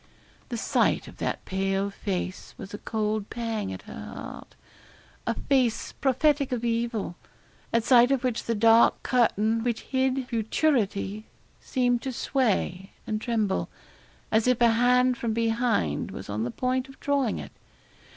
The sight of that pale face was a cold pang at her heart a face prophetic of evil, at sight of which the dark curtain which hid futurity seemed to sway and tremble, as if a hand from behind was on the point of drawing it.